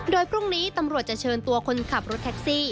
โดยพรุ่งนี้ตำรวจจะเชิญตัวคนขับรถแท็กซี่